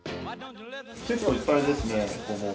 結構いっぱいですねゴボウ。